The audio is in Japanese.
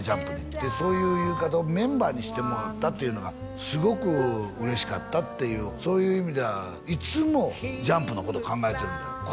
ＪＵＭＰにそういう言い方をメンバーにしてもらったっていうのがすごく嬉しかったっていうそういう意味ではいつもＪＵＭＰのこと考えてるんだよ